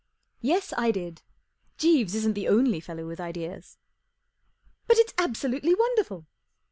44 Yes, I did. Jeeves isn't the only fellow with ideas." 44 But it's absolutely wonderful."